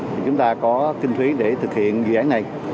thì chúng ta có kinh phí để thực hiện dự án này